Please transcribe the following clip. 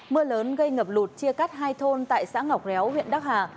mưa lớn gây ngập lụt chia cắt hai thôn tại xã ngọc réo huyện đắc hà